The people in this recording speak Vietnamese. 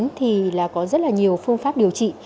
bệnh nhân có rất nhiều phương pháp điều trị